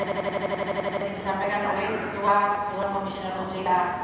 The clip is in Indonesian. yang didesampaikan oleh ketua dewan komisioner nolcea